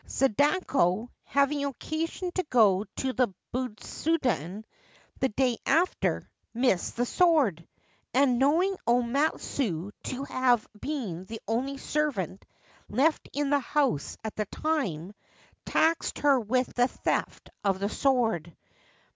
Sadako, having occasion to go to the butsudan the day after, missed the sword ; and, knowing O Matsue to have been the only servant left in the house at the time, taxed her with the theft of the sword.